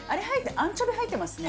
アンチョビ入ってますね。